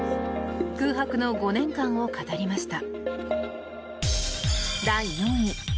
空白の５年間を語りました。